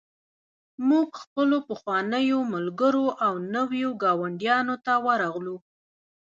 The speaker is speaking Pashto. موږ خپلو پخوانیو ملګرو او نویو ګاونډیانو ته ورغلو